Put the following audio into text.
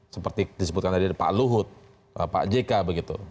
seperti disebutkan tadi ada pak luhut pak jk begitu